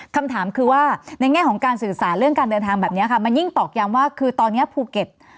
คำถามคือว่าในแง่ของการสื่อสารเรื่องการเดินทางแบบนี้ค่ะมันยิ่งตอกย้ำว่าคือตอนนี้ภูเก็ต